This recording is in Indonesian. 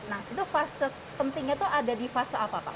nah itu fase pentingnya itu ada di fase apa pak